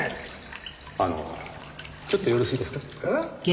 あのちょっとよろしいですか？